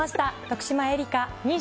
徳島えりか